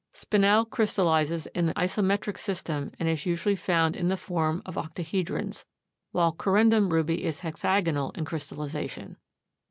Spinel crystallizes in the isometric system and is usually found in the form, of octahedrons, while corundum ruby is hexagonal in crystallization.